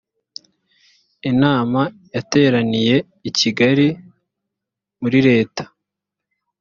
inama yateraniye i kigali murileta